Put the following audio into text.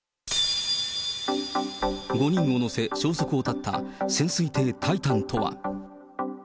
５人を乗せ、消息を絶った潜水艇、タイタンとは。